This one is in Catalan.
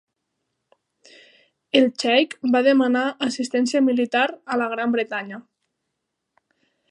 El xeic va demanar assistència militar a la Gran Bretanya.